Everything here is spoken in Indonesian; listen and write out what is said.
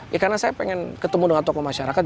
ya karena saya pengen ketemu dengan tokoh masyarakat